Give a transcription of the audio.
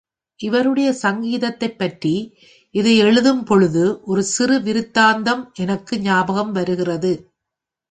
இவருடைய சங்கீதத்தைப் பற்றி, இதையெழுதும் பொழுது ஒரு சிறு விருத்தாந்தம் எனக்கு ஞாபகம் வருகிறது.